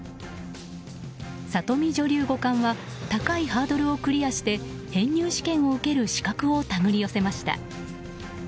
里見女流五冠は高いハードルをクリアして編入試験を受ける資格を手繰り寄せました。